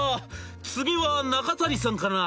次は中谷さんかな。